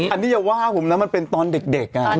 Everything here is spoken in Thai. อันนี้อย่าว่าผมนะมันเป็นตอนเด็ก